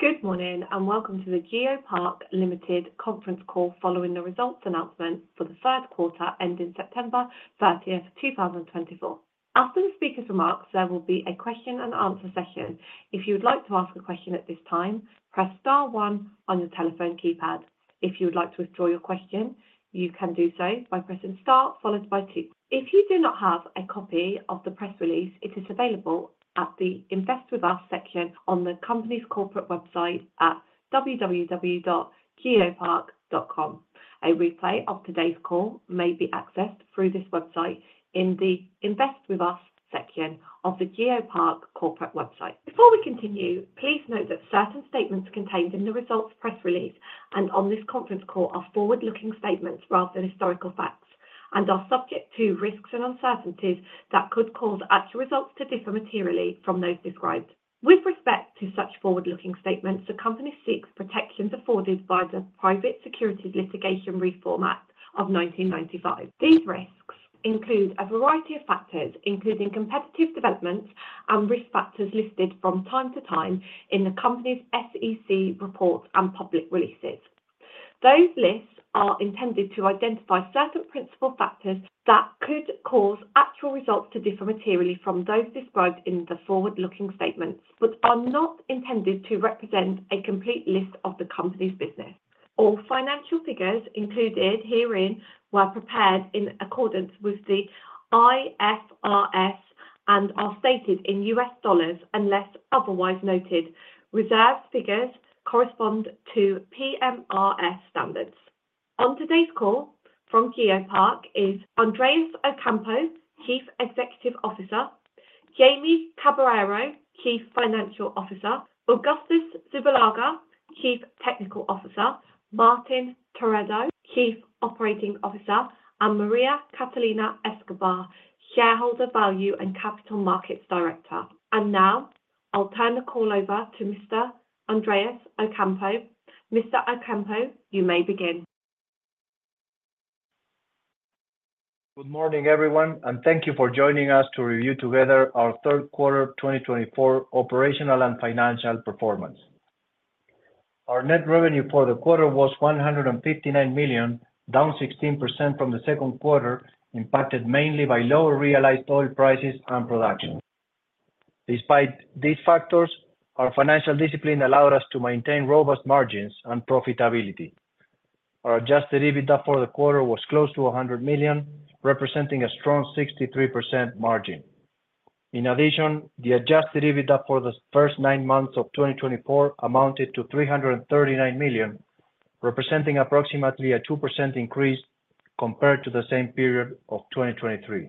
Good morning and welcome to the GeoPark Limited conference call following the results announcement for the third quarter ending September 30th, 2024. After the speakers' remarks, there will be a question-and-answer session. If you would like to ask a question at this time, press star one on your telephone keypad. If you would like to withdraw your question, you can do so by pressing star followed by two. If you do not have a copy of the press release, it is available at the Invest with Us section on the company's corporate website at www.geopark.com. A replay of today's call may be accessed through this website in the Invest with Us section of the GeoPark corporate website. Before we continue, please note that certain statements contained in the results press release and on this conference call are forward-looking statements rather than historical facts and are subject to risks and uncertainties that could cause actual results to differ materially from those described. With respect to such forward-looking statements, the company seeks protections afforded by the Private Securities Litigation Reform Act of 1995. These risks include a variety of factors, including competitive developments and risk factors listed from time to time in the company's SEC reports and public releases. Those lists are intended to identify certain principal factors that could cause actual results to differ materially from those described in the forward-looking statements, but are not intended to represent a complete list of the company's business. All financial figures included herein were prepared in accordance with the IFRS and are stated in US dollars unless otherwise noted. Reserved figures correspond to PRMS standards. On today's call from GeoPark is Andrés Ocampo, Chief Executive Officer; Jaime Caballero, Chief Financial Officer; Agustín Zubillaga, Chief Technical Officer; Martín Terrado, Chief Operating Officer; and María Catalina Escobar, Shareholder Value and Capital Markets Director. Now I'll turn the call over to Mr. Andrés Ocampo. Mr. Ocampo, you may begin. Good morning, everyone, and thank you for joining us to review together our third quarter 2024 operational and financial performance. Our net revenue for the quarter was $159 million, down 16% from the second quarter, impacted mainly by lower realized oil prices and production. Despite these factors, our financial discipline allowed us to maintain robust margins and profitability. Our adjusted EBITDA for the quarter was close to $100 million, representing a strong 63% margin. In addition, the adjusted EBITDA for the first nine months of 2024 amounted to $339 million, representing approximately a 2% increase compared to the same period of 2023.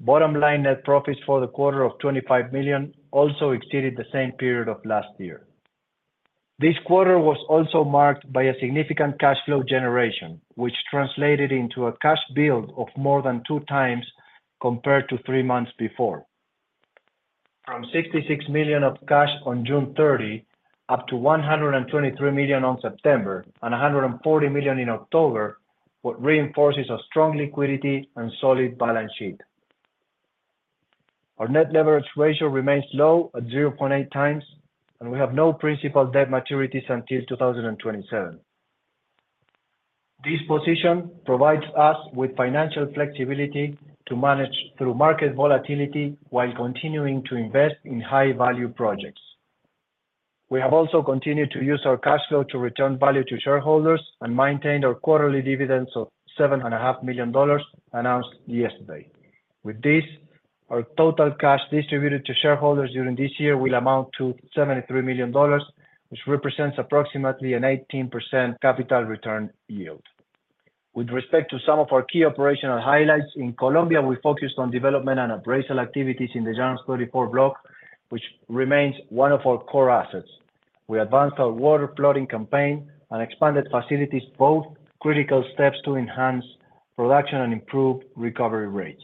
Bottom line net profits for the quarter of $25 million also exceeded the same period of last year. This quarter was also marked by a significant cash flow generation, which translated into a cash build of more than two times compared to three months before. From $66 million of cash on June 30 up to $123 million on September and $140 million in October, what reinforces a strong liquidity and solid balance sheet. Our net leverage ratio remains low at 0.8 times, and we have no principal debt maturities until 2027. This position provides us with financial flexibility to manage through market volatility while continuing to invest in high-value projects. We have also continued to use our cash flow to return value to shareholders and maintain our quarterly dividends of $7.5 million announced yesterday. With this, our total cash distributed to shareholders during this year will amount to $73 million, which represents approximately an 18% capital return yield. With respect to some of our key operational highlights, in Colombia, we focused on development and appraisal activities in the Llanos 34 block, which remains one of our core assets. We advanced our water flooding campaign and expanded facilities, both critical steps to enhance production and improve recovery rates.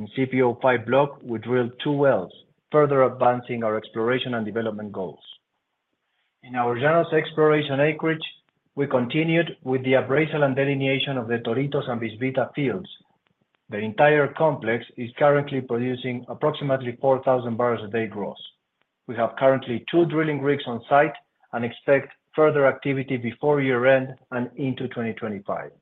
In CPO-5 block, we drilled two wells, further advancing our exploration and development goals. In our Llanos exploration acreage, we continued with the appraisal and delineation of the Toritos and Bisbita fields. The entire complex is currently producing approximately 4,000 barrels a day gross. We have currently two drilling rigs on site and expect further activity before year-end and into 2025.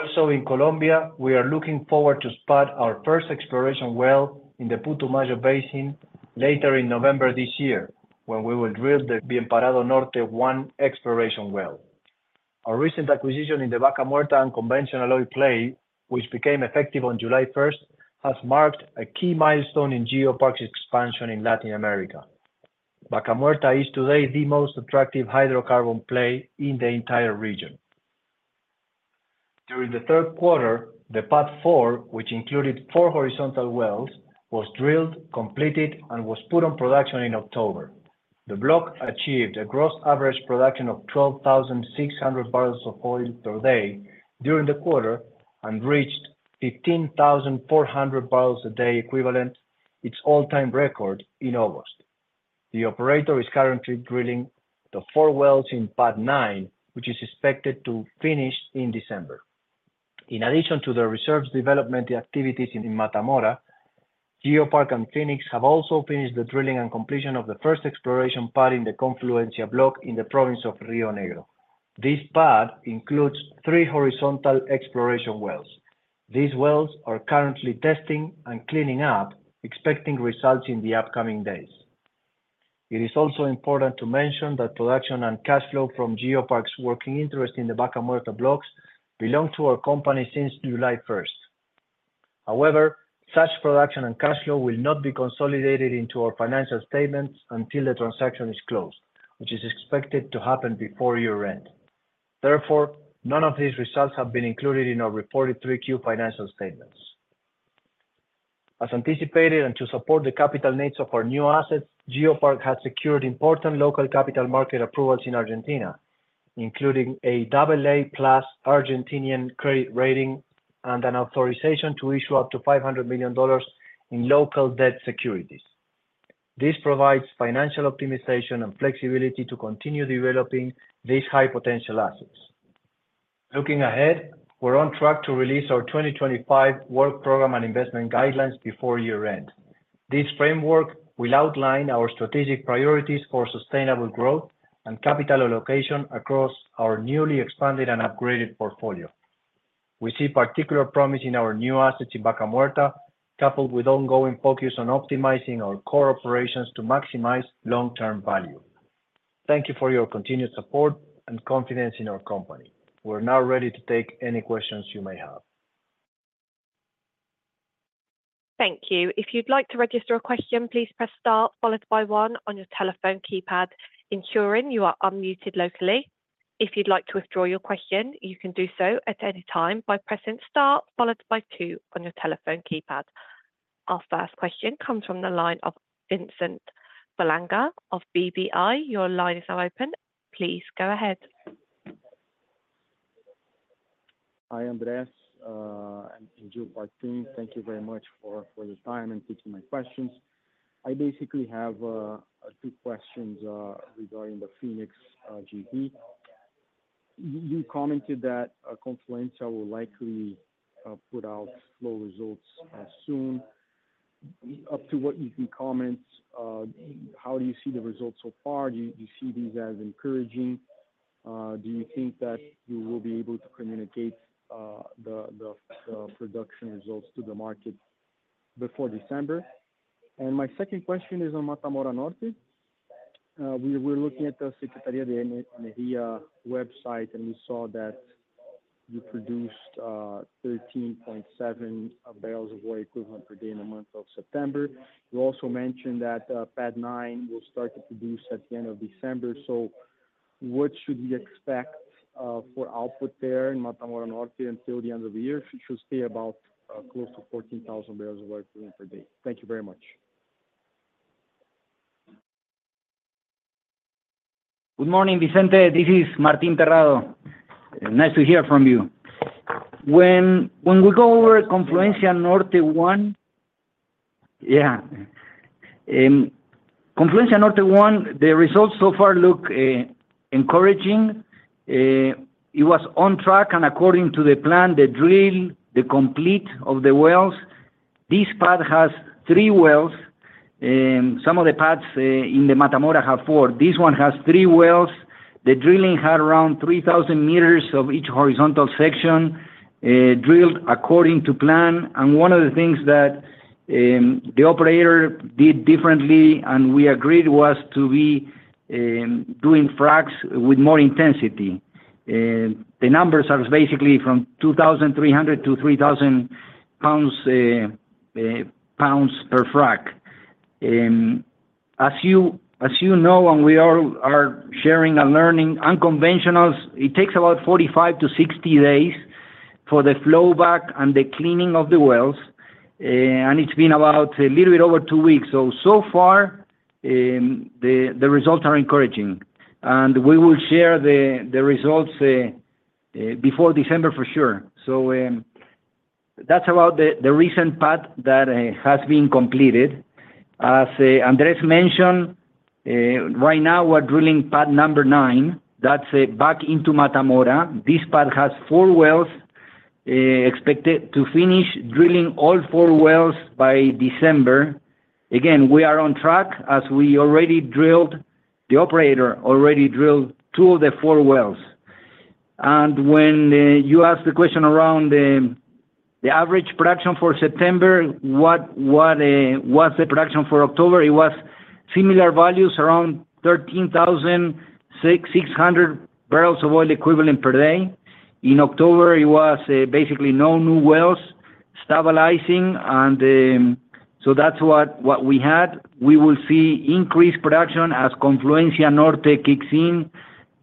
Also, in Colombia, we are looking forward to spud our first exploration well in the Putumayo Basin later in November this year, when we will drill the Bienparado Norte 1 exploration well. Our recent acquisition in the Vaca Muerta and conventional oil play, which became effective on July 1st, has marked a key milestone in GeoPark's expansion in Latin America. Vaca Muerta is today the most attractive hydrocarbon play in the entire region. During the third quarter, the Path 4, which included four horizontal wells, was drilled, completed, and was put on production in October. The block achieved a gross average production of 12,600 barrels of oil per day during the quarter and reached 15,400 barrels a day equivalent, its all-time record in August. The operator is currently drilling the four wells in Path 9, which is expected to finish in December. In addition to the reserves development activities in Mata Mora, GeoPark and Phoenix have also finished the drilling and completion of the first exploration pad in the Confluencia Norte block in the province of Río Negro. This pad includes three horizontal exploration wells. These wells are currently testing and cleaning up, expecting results in the upcoming days. It is also important to mention that production and cash flow from GeoPark's working interest in the Vaca Muerta blocks belong to our company since July 1st. However, such production and cash flow will not be consolidated into our financial statements until the transaction is closed, which is expected to happen before year-end. Therefore, none of these results have been included in our reported 3Q financial statements. As anticipated and to support the capital needs of our new assets, GeoPark has secured important local capital market approvals in Argentina, including a AA plus Argentinian credit rating and an authorization to issue up to $500 million in local debt securities. This provides financial optimization and flexibility to continue developing these high-potential assets. Looking ahead, we're on track to release our 2025 work program and investment guidelines before year-end. This framework will outline our strategic priorities for sustainable growth and capital allocation across our newly expanded and upgraded portfolio. We see particular promise in our new assets in Vaca Muerta, coupled with ongoing focus on optimizing our core operations to maximize long-term value. Thank you for your continued support and confidence in our company. We're now ready to take any questions you may have. Thank you. If you'd like to register a question, please press star followed by one on your telephone keypad, ensuring you are unmuted locally. If you'd like to withdraw your question, you can do so at any time by pressing star followed by two on your telephone keypad. Our first question comes from the line of Vicente Falanga of Bradesco BBI. Your line is now open. Please go ahead. Hi, Andrés. I'm in the GeoPark team. Thank you very much for your time and taking my questions. I basically have two questions regarding the Phoenix GP. You commented that Confluencia will likely put out flow results soon. Up to what you can comment, how do you see the results so far? Do you see these as encouraging? Do you think that you will be able to communicate the production results to the market before December? And my second question is on Mata Mora Norte. We were looking at the Secretaría de Energía website, and we saw that you produced 13.7 barrels of oil equivalent per day in the month of September. You also mentioned that Pad 9 will start to produce at the end of December. So what should we expect for output there in Mata Mora Norte until the end of the year? It should stay about close to 14,000 barrels of oil equivalent per day. Thank you very much. Good morning, Vicente. This is Martín Terrado. Nice to hear from you. When we go over Confluencia Norte 1, yeah, Confluencia Norte 1, the results so far look encouraging. It was on track, and according to the plan, the drilling, the completion of the wells, this pad has three wells. Some of the pads in the Mata Mora have four. This one has three wells. The drilling had around 3,000 meters of each horizontal section drilled according to plan. And one of the things that the operator did differently and we agreed was to be doing fracks with more intensity. The numbers are basically from 2,300-3,000 pounds per frack. As you know, and we are sharing and learning unconventionals, it takes about 45-60 days for the flow back and the cleaning of the wells, and it's been about a little bit over two weeks. So far, the results are encouraging, and we will share the results before December for sure, so that's about the recent pad that has been completed. As Andrés mentioned, right now we're drilling pad number nine. That's back into Mata Mora. This pad has four wells expected to finish drilling all four wells by December. Again, we are on track as we already drilled. The operator already drilled two of the four wells, and when you asked the question around the average production for September, what was the production for October? It was similar values, around 13,600 barrels of oil equivalent per day. In October, it was basically no new wells stabilizing, and so that's what we had. We will see increased production as Confluencia Norte kicks in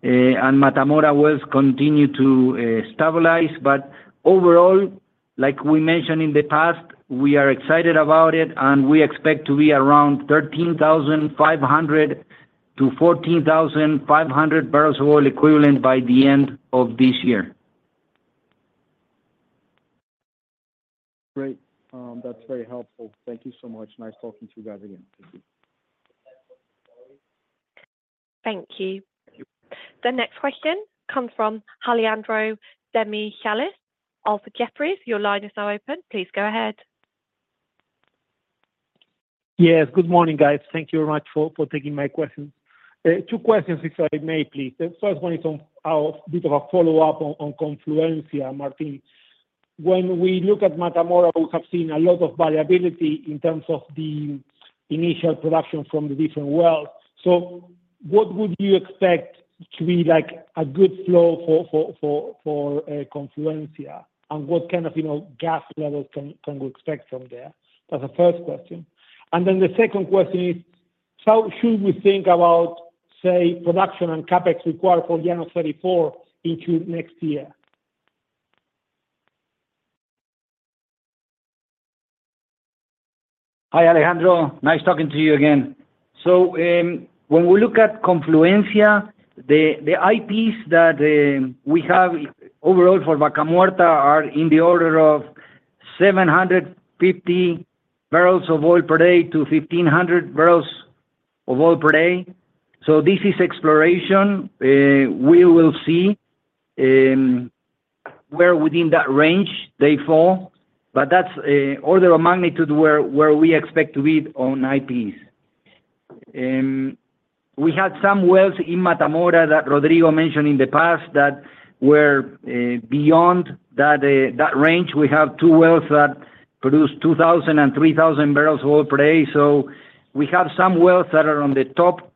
and Mata Mora wells continue to stabilize. But overall, like we mentioned in the past, we are excited about it, and we expect to be around 13,500-14,500 barrels of oil equivalent by the end of this year. Great. That's very helpful. Thank you so much. Nice talking to you guys again. Thank you. Thank you. The next question comes from Alejandro Demichelis. Alejandro, Jefferies, your line is now open. Please go ahead. Yes, good morning, guys. Thank you very much for taking my questions. Two questions, if I may, please. The first one is a bit of a follow-up on Confluencia. Martín, when we look at Mata Mora, we have seen a lot of variability in terms of the initial production from the different wells. So what would you expect to be a good flow for Confluencia, and what kind of gas levels can we expect from there? That's the first question. And then the second question is, how should we think about, say, production and Capex required for Llanos 34 into next year? Hi, Alejandro. Nice talking to you again. So when we look at Confluencia, the IPs that we have overall for Vaca Muerta are in the order of 750-1,500 barrels of oil per day. So this is exploration. We will see where within that range they fall, but that's the order of magnitude where we expect to be on IPs. We had some wells in Mata Mora that Rodrigo mentioned in the past that were beyond that range. We have two wells that produce 2,000-3,000 barrels of oil per day. So we have some wells that are on the top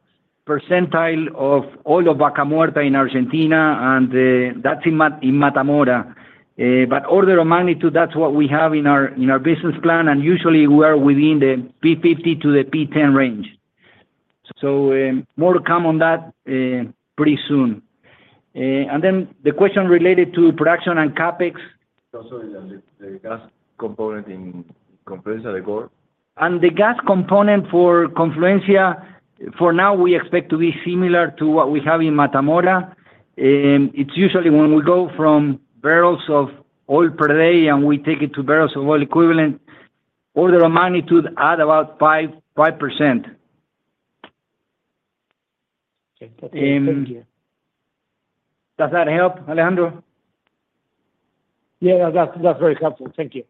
percentile of oil of Vaca Muerta in Argentina, and that's in Mata Mora. But order of magnitude, that's what we have in our business plan, and usually we are within the P50-P10 range. So more to come on that pretty soon. Then the question related to production and Capex. Sorry, the gas component in Confluencia, the core. The gas component for Confluencia, for now, we expect to be similar to what we have in Mata Mora. It's usually when we go from barrels of oil per day and we take it to barrels of oil equivalent, order of magnitude add about 5%. Okay. Thank you. Does that help, Alejandro? Yeah, that's very helpful. Thank you.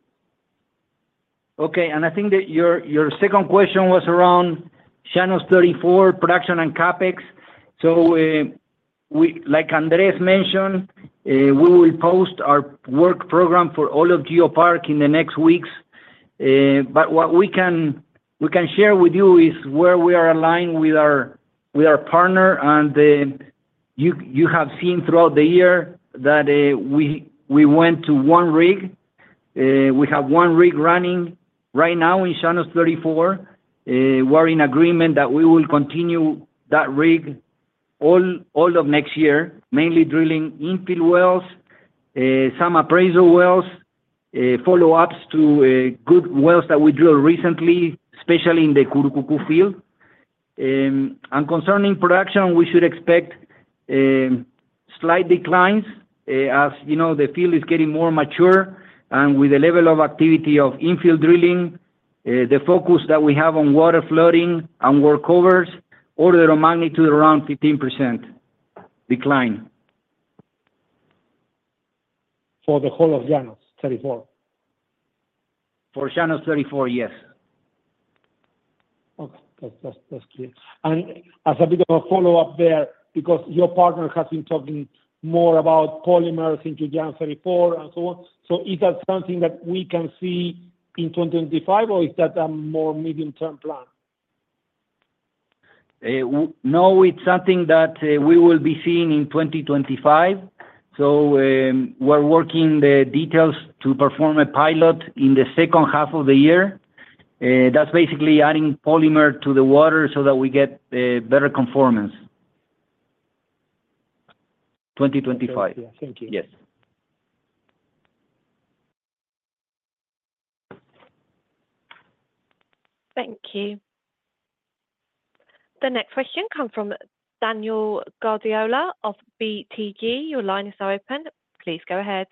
Okay. And I think that your second question was around Llanos 34, production and CapEx. So like Andrés mentioned, we will post our work program for all of GeoPark in the next weeks. But what we can share with you is where we are aligned with our partner, and you have seen throughout the year that we went to one rig. We have one rig running right now in Llanos 34. We're in agreement that we will continue that rig all of next year, mainly drilling infill wells, some appraisal wells, follow-ups to good wells that we drilled recently, especially in the Curucucú field. And concerning production, we should expect slight declines as the field is getting more mature, and with the level of activity of infill drilling, the focus that we have on water flooding and workovers, order of magnitude around 15% decline. For the whole of Llanos 34? For Llanos 34, yes. Okay. That's clear. And as a bit of a follow-up there, because your partner has been talking more about polymers into Llanos 34 and so on, so is that something that we can see in 2025, or is that a more medium-term plan? No, it's something that we will be seeing in 2025. So we're working the details to perform a pilot in the second half of the year. That's basically adding polymer to the water so that we get better conformance 2025. Thank you. Yes. Thank you. The next question comes from Daniel Guardiola of BTG. Your line is now open. Please go ahead.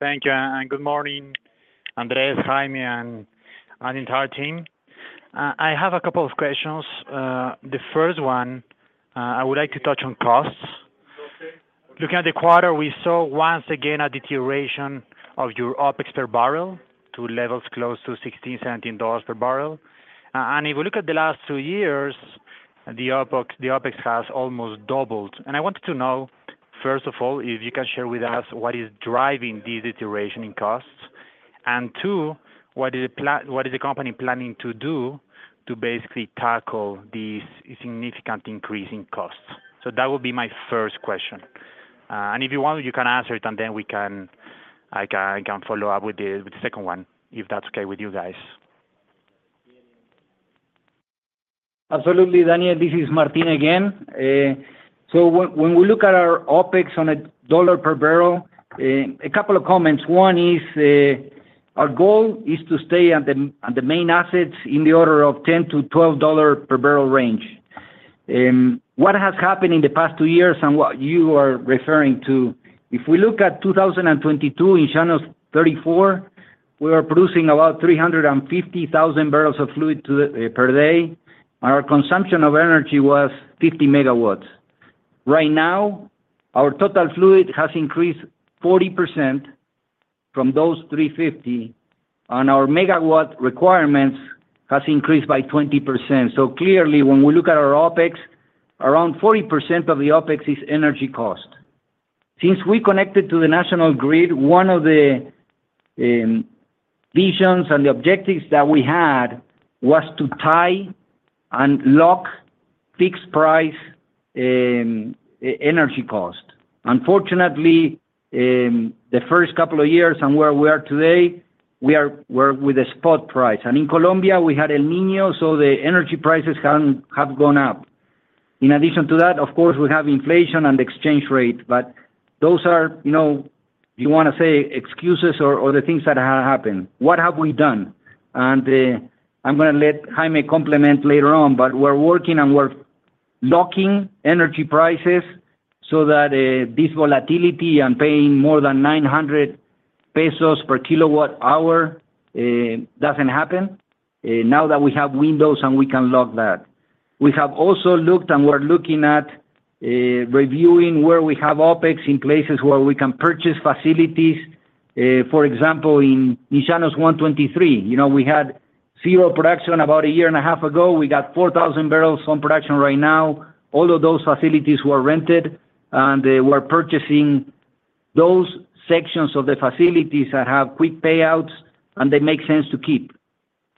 Thank you. Good morning, Andrés, Jaime, and the entire team. I have a couple of questions. The first one, I would like to touch on costs. Looking at the quarter, we saw once again a deterioration of your OpEx per barrel to levels close to $16, $17 per barrel. And if we look at the last two years, the OpEx has almost doubled. And I wanted to know, first of all, if you can share with us what is driving this deterioration in costs. And two, what is the company planning to do to basically tackle this significant increase in costs? So that would be my first question. And if you want, you can answer it, and then I can follow up with the second one if that's okay with you guys. Absolutely, Daniel. This is Martín again. So when we look at our OpEx on a dollar per barrel, a couple of comments. One is our goal is to stay on the main assets in the order of $10-$12 per barrel range. What has happened in the past two years and what you are referring to? If we look at 2022 in Llanos 34, we were producing about 350,000 barrels of fluid per day, and our consumption of energy was 50 megawatts. Right now, our total fluid has increased 40% from those 350, and our megawatt requirements have increased by 20%, so clearly, when we look at our OpEx, around 40% of the OpEx is energy cost. Since we connected to the national grid, one of the visions and the objectives that we had was to tie and lock fixed-price energy cost. Unfortunately, the first couple of years and where we are today, we are with a spot price, and in Colombia, we had El Niño, so the energy prices have gone up. In addition to that, of course, we have inflation and the exchange rate, but those are, you want to say, excuses or the things that have happened. What have we done, and I'm going to let Jaime comment later on, but we're working and we're locking energy prices so that this volatility and paying more than $900 per kilowatt-hour doesn't happen now that we have windows and we can lock that. We have also looked and we're looking at reviewing where we have OpEx in places where we can purchase facilities. For example, in Llanos 123, we had zero production about a year and a half ago. We got 4,000 barrels on production right now. All of those facilities were rented, and we're purchasing those sections of the facilities that have quick payouts, and they make sense to keep,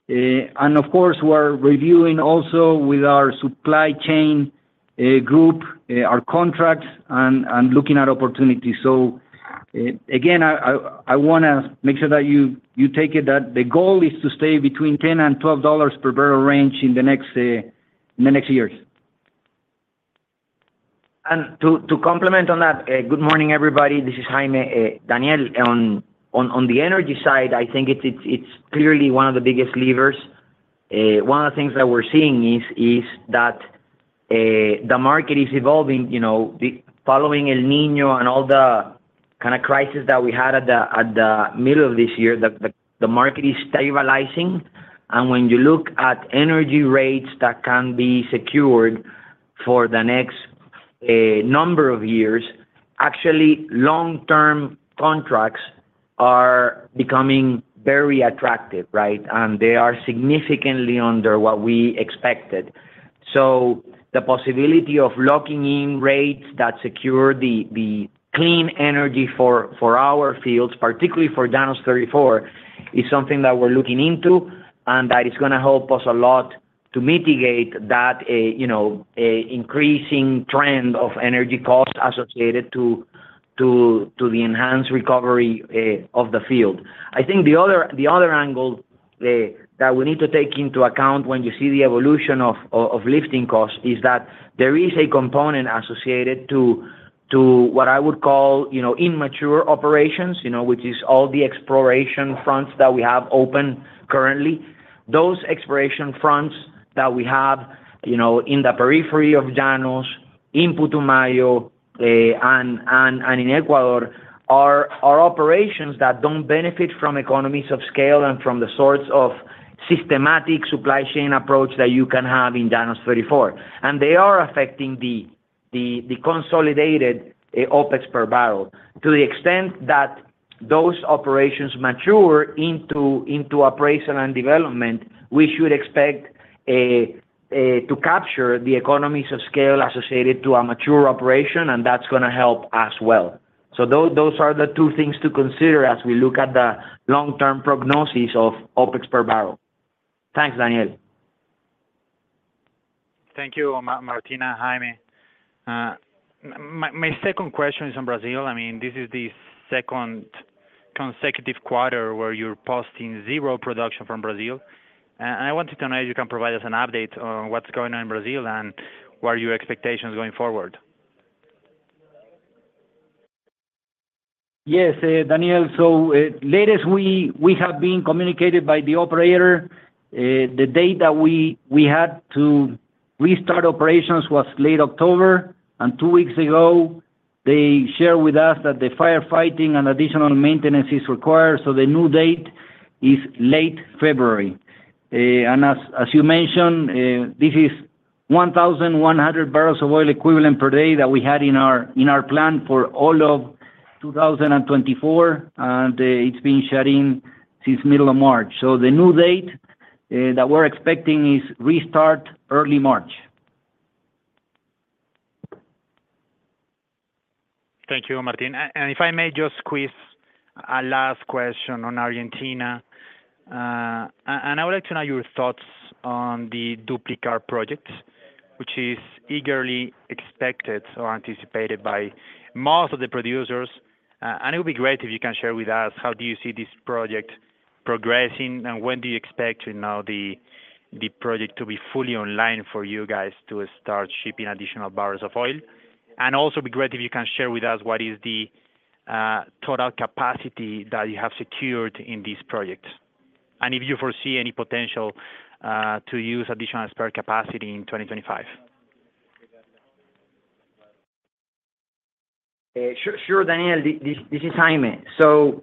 and of course, we're reviewing also with our supply chain group our contracts and looking at opportunities, so again, I want to make sure that you take it that the goal is to stay between $10 and $12 per barrel range in the next years, and to complement on that, good morning, everybody. This is Jaime. Daniel, on the energy side, I think it's clearly one of the biggest levers. One of the things that we're seeing is that the market is evolving. Following El Niño and all the kind of crisis that we had at the middle of this year, the market is stabilizing. And when you look at energy rates that can be secured for the next number of years, actually, long-term contracts are becoming very attractive, right? And they are significantly under what we expected. So the possibility of locking in rates that secure the clean energy for our fields, particularly for Llanos 34, is something that we're looking into and that is going to help us a lot to mitigate that increasing trend of energy costs associated to the enhanced recovery of the field. I think the other angle that we need to take into account when you see the evolution of lifting costs is that there is a component associated to what I would call immature operations, which is all the exploration fronts that we have open currently. Those exploration fronts that we have in the periphery of Llanos, in Putumayo, and in Ecuador are operations that don't benefit from economies of scale and from the sorts of systematic supply chain approach that you can have in Llanos 34, and they are affecting the consolidated OpEx per barrel. To the extent that those operations mature into appraisal and development, we should expect to capture the economies of scale associated to a mature operation, and that's going to help as well, so those are the two things to consider as we look at the long-term prognosis of OpEx per barrel. Thanks, Daniel. Thank you, Martín, Jaime. My second question is on Brazil. I mean, this is the second consecutive quarter where you're posting zero production from Brazil. And I wanted to know if you can provide us an update on what's going on in Brazil and what are your expectations going forward? Yes, Daniel. So latest, we have been communicated by the operator. The date that we had to restart operations was late October, and two weeks ago, they shared with us that the firefighting and additional maintenance is required. So the new date is late February. And as you mentioned, this is 1,100 barrels of oil equivalent per day that we had in our plan for all of 2024, and it's been shutting since middle of March. So the new date that we're expecting is restart early March. Thank you, Martín. If I may just squeeze a last question on Argentina, I would like to know your thoughts on the Duplicar project, which is eagerly expected or anticipated by most of the producers. It would be great if you can share with us how do you see this project progressing and when do you expect the project to be fully online for you guys to start shipping additional barrels of oil. Also, it would be great if you can share with us what is the total capacity that you have secured in this project. Do you foresee any potential to use additional spare capacity in 2025? Sure, Daniel. This is Jaime. So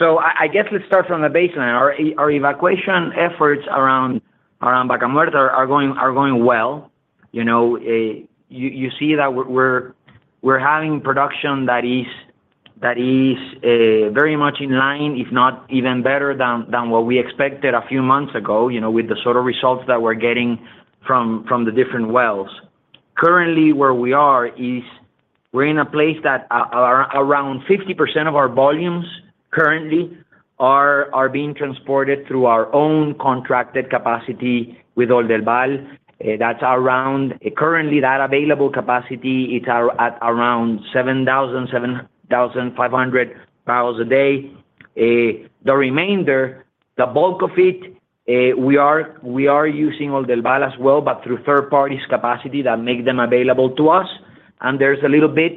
I guess let's start from the baseline. Our exploration efforts around Vaca Muerta are going well. You see that we're having production that is very much in line, if not even better than what we expected a few months ago with the sort of results that we're getting from the different wells. Currently, where we are is we're in a place that around 50% of our volumes currently are being transported through our own contracted capacity with Oldelval. That's around currently, that available capacity is at around 7,500 barrels a day. The remainder, the bulk of it, we are using Oldelval as well, but through third-party capacity that make them available to us. And there's a little bit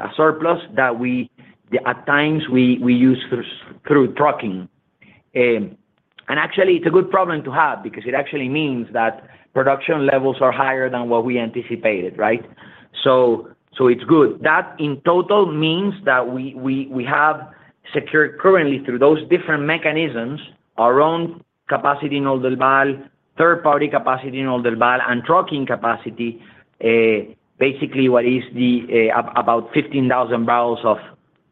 of surplus that at times we use through trucking. And actually, it's a good problem to have because it actually means that production levels are higher than what we anticipated, right? So it's good. That in total means that we have secured currently through those different mechanisms our own capacity in Oldelval, third-party capacity in Oldelval, and trucking capacity, basically what is about 15,000 barrels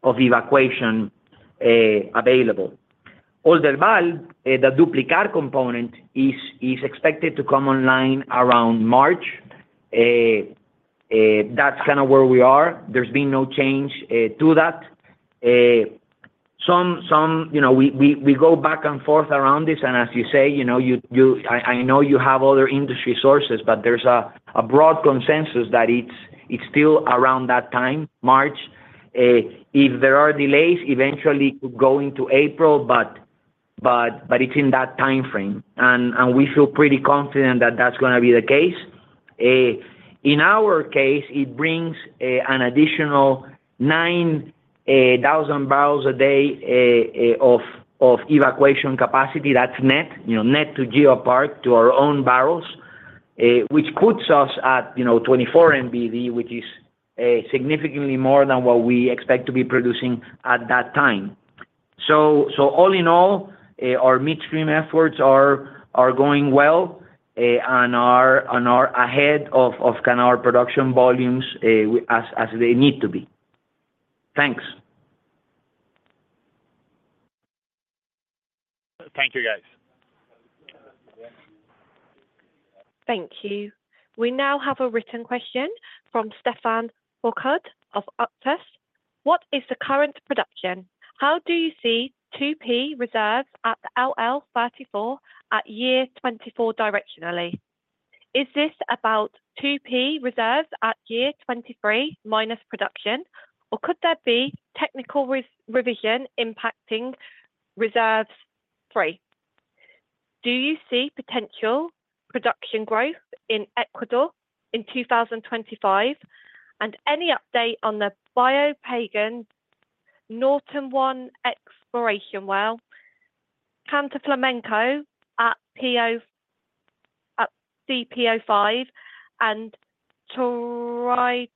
of evacuation available. Oldelval, the Duplicar component, is expected to come online around March. That's kind of where we are. There's been no change to that. We go back and forth around this. And as you say, I know you have other industry sources, but there's a broad consensus that it's still around that time, March. If there are delays, eventually it could go into April, but it's in that timeframe. And we feel pretty confident that that's going to be the case. In our case, it brings an additional 9,000 barrels a day of evacuation capacity that's net to GeoPark, to our own barrels, which puts us at 24 MBD, which is significantly more than what we expect to be producing at that time. So all in all, our midstream efforts are going well and are ahead of kind of our production volumes as they need to be. Thanks. Thank you, guys. Thank you. We now have a written question from Stefan Borkud of Arctos. What is the current production? How do you see 2P reserves at Llanos 34 at year 24 directionally? Is this about 2P reserves at year 23 minus production, or could there be technical revision impacting reserves '23? Do you see potential production growth in Ecuador in 2025? And any update on the Biopagán Norte #1 exploration well, Canto Flamenco at CPO-5, and Toritos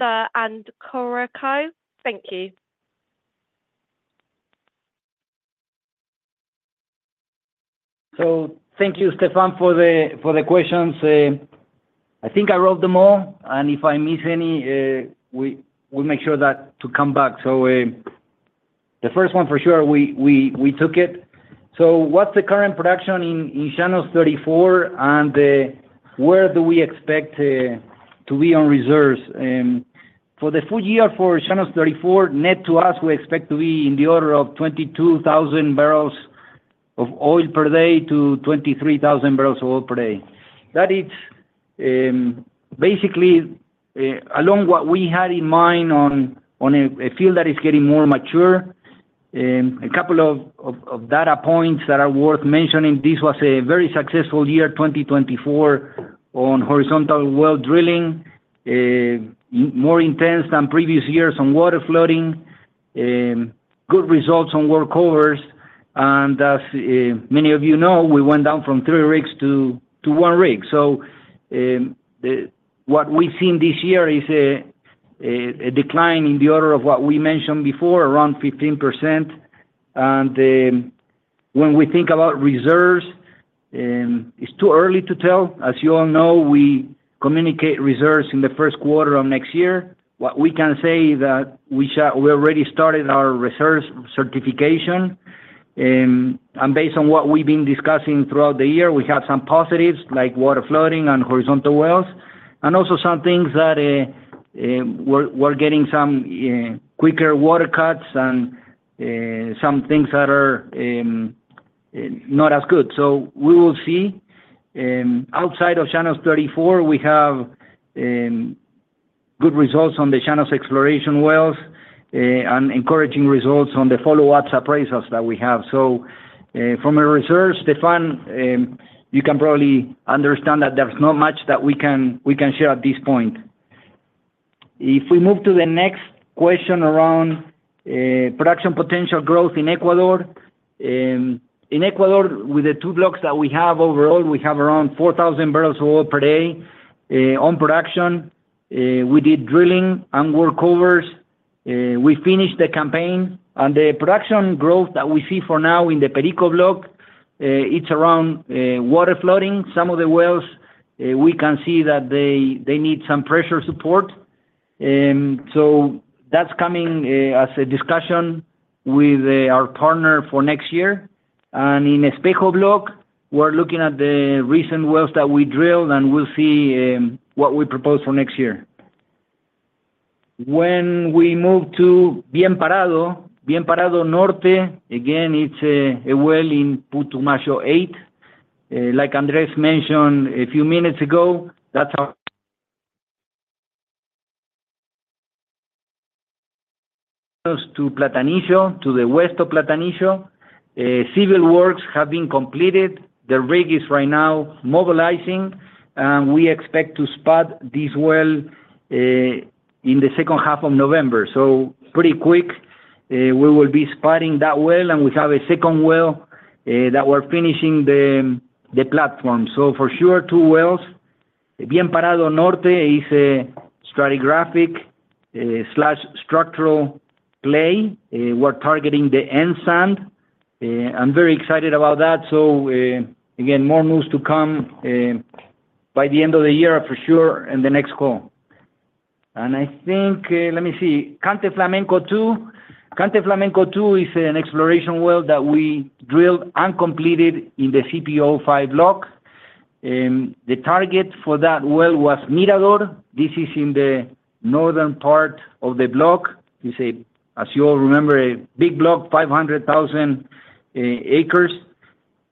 and Curucucú? Thank you. Thank you, Stephane, for the questions. I think I wrote them all. And if I miss any, we'll make sure to come back. The first one for sure, we took it. What's the current production in Llanos 34, and where do we expect to be on reserves? For the full year for Llanos 34, net to us, we expect to be in the order of 22,000-23,000 barrels of oil per day. That is basically along what we had in mind on a field that is getting more mature. A couple of data points that are worth mentioning. This was a very successful year 2024 on horizontal well drilling, more intense than previous years on water flooding, good results on workovers. And as many of you know, we went down from three rigs to one rig. So what we've seen this year is a decline in the order of what we mentioned before, around 15%. And when we think about reserves, it's too early to tell. As you all know, we communicate reserves in the first quarter of next year. What we can say is that we already started our reserves certification. And based on what we've been discussing throughout the year, we have some positives like water flooding and horizontal wells, and also some things that we're getting some quicker water cuts and some things that are not as good. So we will see. Outside of Llanos 34, we have good results on the Llanos exploration wells and encouraging results on the follow-up appraisals that we have. So from a reserve, Stephane, you can probably understand that there's not much that we can share at this point. If we move to the next question around production potential growth in Ecuador, in Ecuador, with the two blocks that we have overall, we have around 4,000 barrels of oil per day on production. We did drilling and workovers. We finished the campaign. The production growth that we see for now in the Perico block is around water flooding. Some of the wells, we can see that they need some pressure support. That's coming as a discussion with our partner for next year. In the Espejo block, we're looking at the recent wells that we drilled, and we'll see what we propose for next year. When we move to Bienparado Norte, again, it's a well in Putumayo 8. Like Andrés mentioned a few minutes ago, that's to Platanillo, to the west of Platanillo. Civil works have been completed. The rig is right now mobilizing, and we expect to spot this well in the second half of November, so pretty quick, we will be spotting that well, and we have a second well that we're finishing the platform, so for sure, two wells. Bienparado Norte is a stratigraphic/structural play. We're targeting the N Sand. I'm very excited about that, so again, more news to come by the end of the year for sure in the next call, and I think, let me see, Canto Flamenco 2. Canto Flamenco 2 is an exploration well that we drilled and completed in the CPO-5 block. The target for that well was Mirador. This is in the northern part of the block. It's a, as you all remember, a big block, 500,000 acres.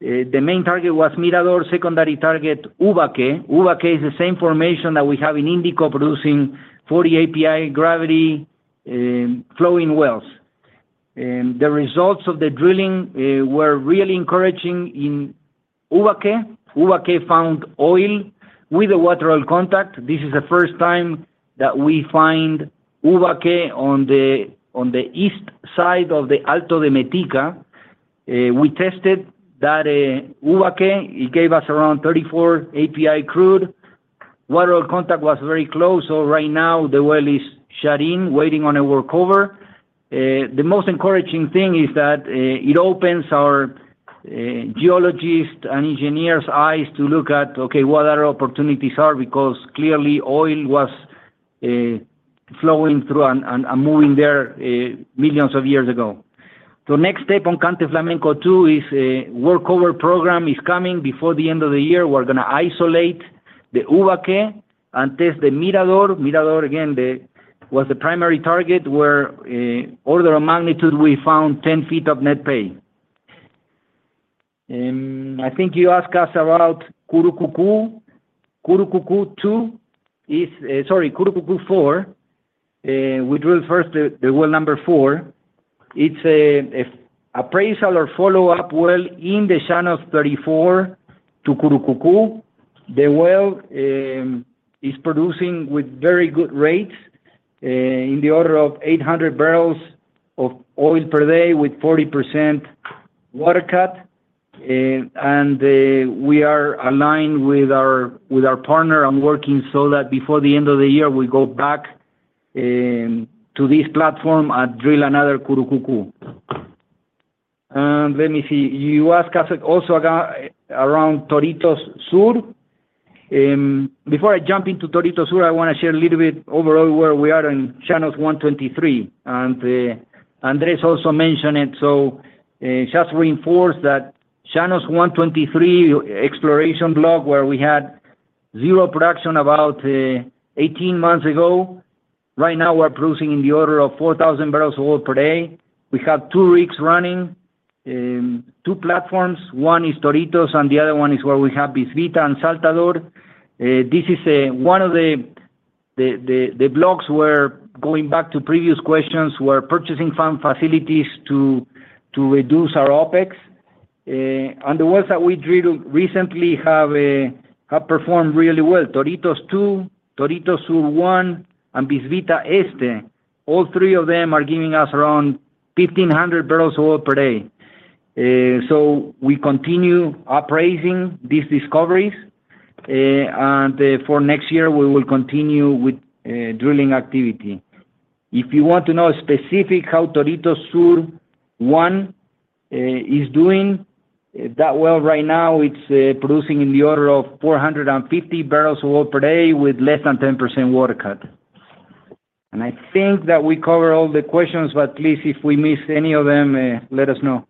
The main target was Mirador. Secondary target, Ubaque. Ubaque is the same formation that we have in Indico producing 40 API gravity flowing wells. The results of the drilling were really encouraging in Ubaque. Ubaque found oil with the water oil contact. This is the first time that we find Ubaque on the east side of the Alto de Metica. We tested that Ubaque. It gave us around 34 API crude. Water oil contact was very close. So right now, the well is shutting, waiting on a workover. The most encouraging thing is that it opens our geologist and engineer's eyes to look at, okay, what other opportunities are because clearly oil was flowing through and moving there millions of years ago. The next step on Canto Flamenco 2 is a workover program is coming before the end of the year. We're going to isolate the Ubaque and test the Mirador. Mirador, again, was the primary target where order of magnitude we found 10 feet of net pay. I think you asked us about Curucucú. Curucucú 2 is, sorry, Curucucú 4. We drilled first the well number 4. It's an appraisal or follow-up well in the Llanos 34 to Curucucú. The well is producing with very good rates in the order of 800 barrels of oil per day with 40% water cut. We are aligned with our partner and working so that before the end of the year, we go back to this platform and drill another Curucucú. Let me see. You asked us also around Toritos Sur. Before I jump into Toritos Sur, I want to share a little bit overall where we are in Llanos 123. Andrés also mentioned it. Just reinforce that Llanos 123 exploration block where we had zero production about 18 months ago. Right now, we're producing in the order of 4,000 barrels of oil per day. We have two rigs running, two platforms. One is Toritos, and the other one is where we have Bisbita and Saltador. This is one of the blocks where, going back to previous questions, we're purchasing fund facilities to reduce our OpEx. And the ones that we drilled recently have performed really well. Toritos 2, Toritos Sur 1, and Bisbita Este. All three of them are giving us around 1,500 barrels of oil per day. We continue appraising these discoveries. And for next year, we will continue with drilling activity. If you want to know specifically how Toritos Sur 1 is doing, that well right now, it's producing in the order of 450 barrels of oil per day with less than 10% water cut. I think that we covered all the questions, but please, if we miss any of them, let us know.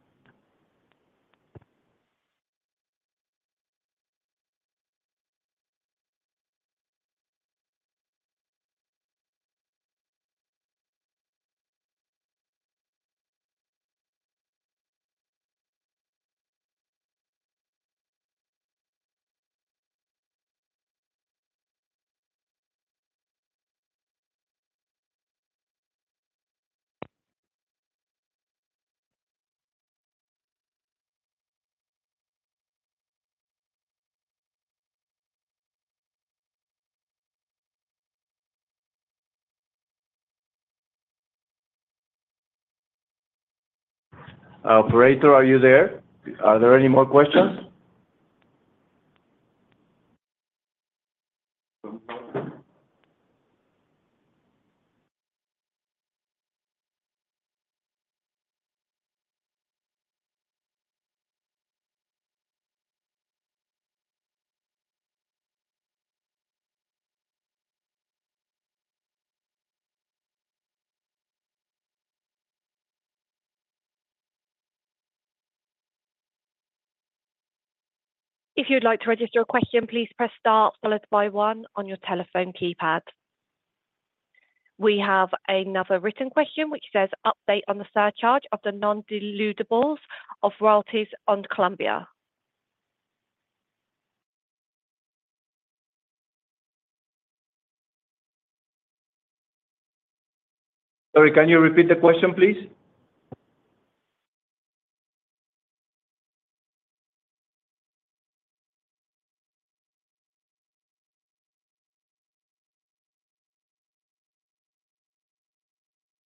Operator, are you there? Are there any more questions? If you'd like to register a question, please press star followed by 1 on your telephone keypad. We have another written question which says, "Update on the surcharge of the non-dilutables of royalties on Colombia. Sorry, can you repeat the question, please?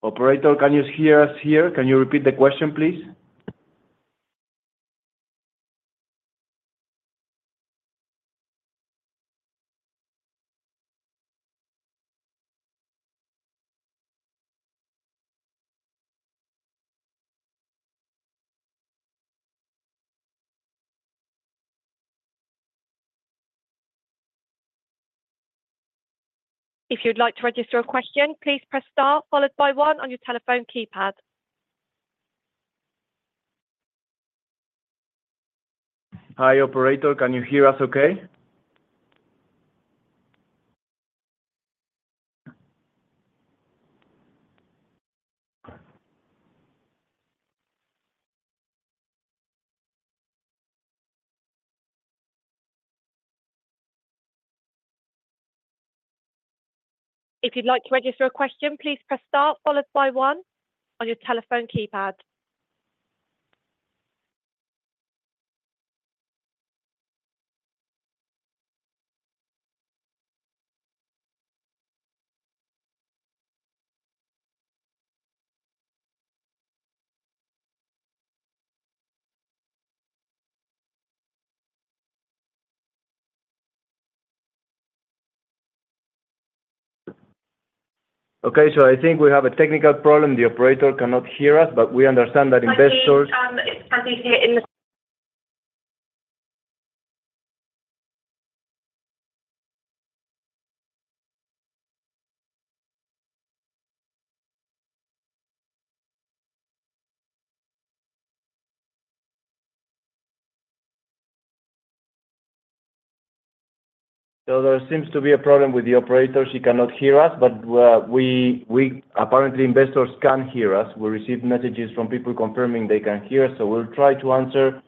Operator, can you hear us here? Can you repeat the question, please? If you'd like to register a question, please press star followed by 1 on your telephone keypad. Hi, Operator. Can you hear us okay? If you'd like to register a question, please press star followed by 1 on your telephone keypad. Okay. So I think we have a technical problem. The operator cannot hear us, but we understand that investors. Yes, it's Sandy here in the. So there seems to be a problem with the operator. She cannot hear us, but apparently, investors can hear us. We received messages from people confirming they can hear us. So we'll try to answer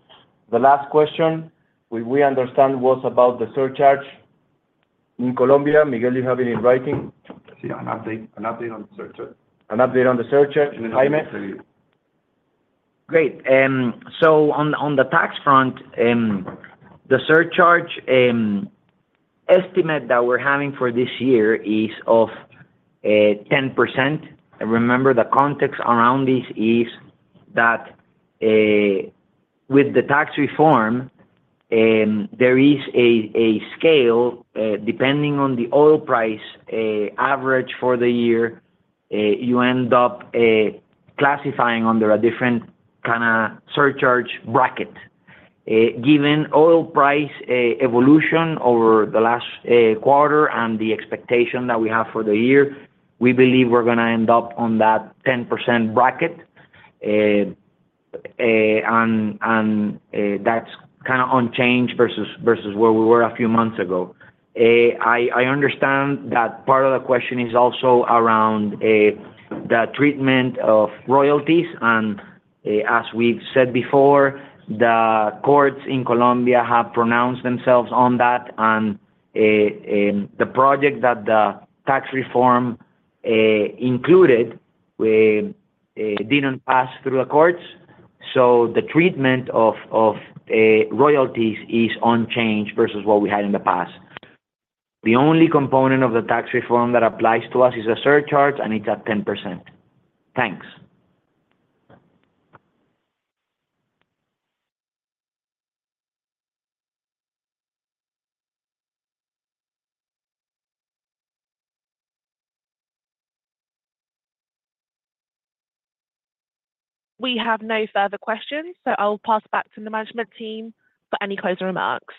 the last question. We understand was about the surcharge in Colombia. Miguel, you have it in writing. Let's see. An update on the surcharge. An update on the surcharge. Jaime? Great. So on the tax front, the surcharge estimate that we're having for this year is of 10%. And remember, the context around this is that with the tax reform, there is a scale depending on the oil price average for the year. You end up classifying under a different kind of surcharge bracket. Given oil price evolution over the last quarter and the expectation that we have for the year, we believe we're going to end up on that 10% bracket. And that's kind of unchanged versus where we were a few months ago. I understand that part of the question is also around the treatment of royalties. And as we've said before, the courts in Colombia have pronounced themselves on that. And the project that the tax reform included didn't pass through the courts. So the treatment of royalties is unchanged versus what we had in the past. The only component of the tax reform that applies to us is the surcharge, and it's at 10%. Thanks. We have no further questions, so I'll pass back to the management team for any closing remarks.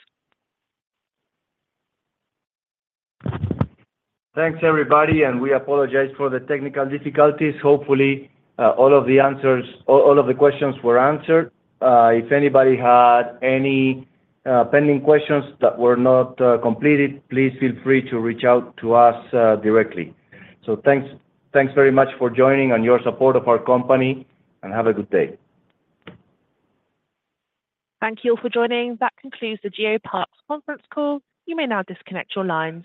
Thanks, everybody. And we apologize for the technical difficulties. Hopefully, all of the answers, all of the questions were answered. If anybody had any pending questions that were not completed, please feel free to reach out to us directly. So thanks very much for joining and your support of our company. And have a good day. Thank you all for joining. That concludes the GeoPark's conference call. You may now disconnect your lines.